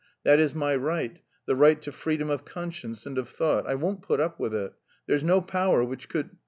That is my right, the right to freedom of conscience and of thought.... I won't put up with it! There's no power which could..."